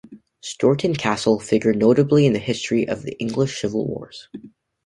Stourton Castle figured notably in the history of the English Civil Wars.